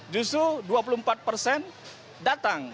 justru dua puluh empat persen datang